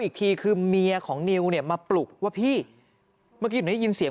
อีกทีคือเมียของนิวเนี่ยมาปลุกว่าพี่เมื่อกี้หนูได้ยินเสียง